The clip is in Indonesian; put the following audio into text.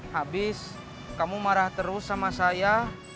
habis kamu marah terus sama saya